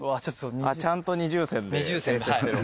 ちゃんと二重線で訂正してる。